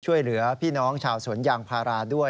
ช่วยเหลือพี่น้องชาวสวนยางพาราด้วย